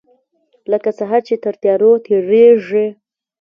لکه سحر چې تر تیارو تیریږې